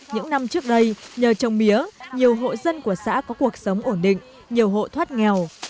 những năm trước đây nhờ trồng mía nhiều hộ dân của xã có cuộc sống ổn định nhiều hộ thoát nghèo